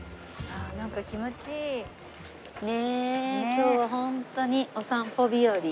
今日はホントにお散歩日和。